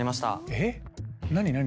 えっ何何？